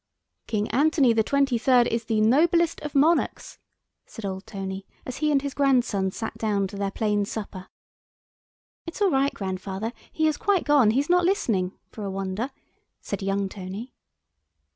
"King Anthony XXIII. is the noblest of monarchs," said old Tony, as he and his grandson sat down to their plain supper. "It's all right, grandfather, he has quite gone, he's not listening—for a wonder!" said young Tony.